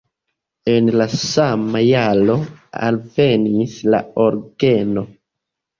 En la sama jaro alvenis la orgeno.